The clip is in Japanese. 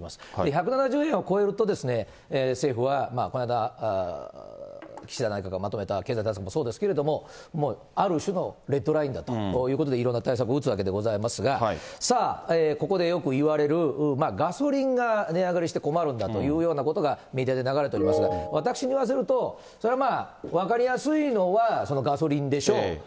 １７０円を超えると、政府はこの間、岸田内閣がまとめた経済対策もそうですけれども、もうある種のレッドラインだということで、いろんな対策を打つわけでございますが、さあ、ここでよく言われるガソリンが値上がりして困るんだというようなことが、メディアで流れておりますが、私に言わせると、それはまあ、分かりやすいのはガソリンでしょう。